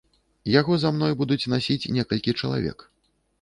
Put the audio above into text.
Яго за мной будуць насіць некалькі чалавек.